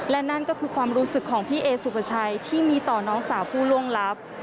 และนั่นก็คือความรู้สึกของพี่เอสุปชัยที่มีต่อน้องสาวผู้ล่วงลับ